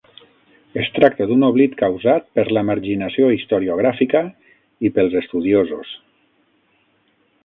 Es tracta d’un oblit causat per la marginació historiogràfica i pels estudiosos.